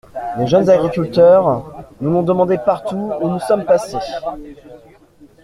Les jeunes agriculteurs nous l’ont demandé partout où nous sommes passés.